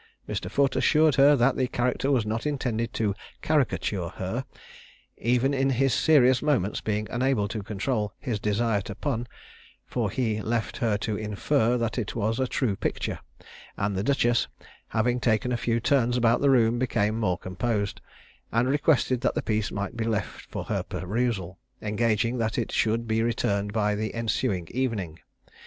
Mr. Foote assured her that the character was not intended to "caricature her;" even in his serious moments being unable to control his desire to pun for he left her to infer that it was a true picture; and the duchess, having taken a few turns about the room, became more composed, and requested that the piece might be left for her perusal, engaging that it should be returned by the ensuing evening.